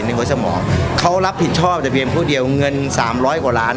หัวสมองเขารับผิดชอบแต่เพียงผู้เดียวเงินสามร้อยกว่าล้าน